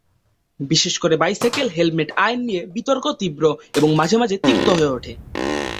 বিশেষ করে bicycle helmet আইন নিয়ে বিতর্ক তীব্র এবং মাঝে মাঝে তিক্ত হয়ে ওঠে।